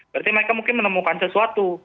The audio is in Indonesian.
berarti mereka mungkin menemukan sesuatu